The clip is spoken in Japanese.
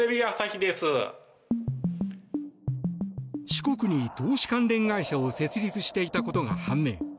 四国に投資関連会社を設立していたことが判明。